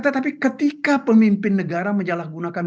tetapi ketika pemimpin negara menyalahgunakan